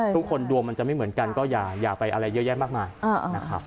ทุกคนดวงมันจะไม่เหมือนกันก็อย่าไปอะไรเยอะแยะมากมายนะครับ